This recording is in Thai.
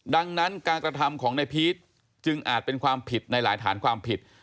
ดังนั้นการกระทำของนายพีชจึงอาจเป็นความผิดในหลายฐานความผิด